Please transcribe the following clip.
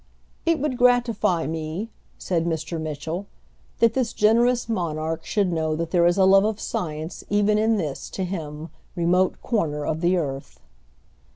"It would gratify me," said Mr. Mitchell, "that this generous monarch should know that there is a love of science even in this, to him, remote corner of the earth."